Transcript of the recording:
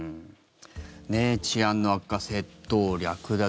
治安の悪化、窃盗、略奪。